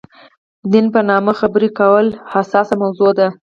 دین په نامه خبرې کول حساسه موضوع ده.